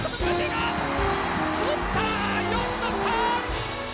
よく捕った！